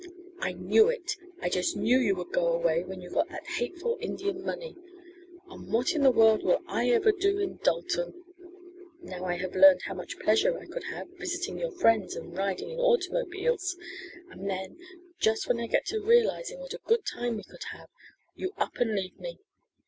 "I knew it! I just knew you would go away when you got that hateful Indian money. And what in the world will I ever do in Dalton? Now I have learned how much pleasure I could have, visiting your friends and riding in automobiles, and then, just when I get to realizing what a good time we could have, you up and leave me!